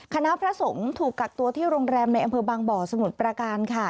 คณะพระสงฆ์ถูกกักตัวที่โรงแรมในอำเภอบางบ่อสมุทรประการค่ะ